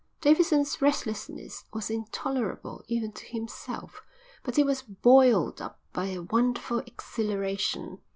Davidson's restlessness was intolerable even to himself. But he was buoyed up by a wonderful exhilaration.